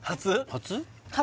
初？